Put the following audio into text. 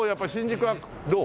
どう？